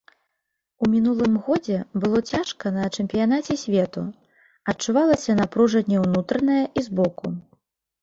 У мінулым годзе было цяжка на чэмпіянаце свету, адчувалася напружанне ўнутранае і з боку.